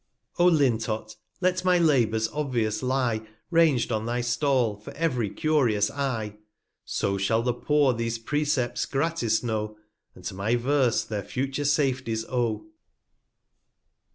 O Lintott, let my Labours obvious lie, Rang'd on thy Stall, for ev'ry curious Eye ; So shall the Poor these Precepts gratis know, 445 And to my Verse their future Safeties owe.